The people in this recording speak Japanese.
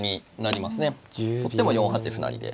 取っても４八歩成で。